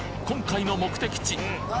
今回の目的地